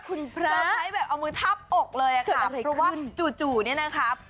คุณพระใช้แบบเอามือทับอกเลยอะค่ะเพราะว่าจู่เนี่ยนะครับ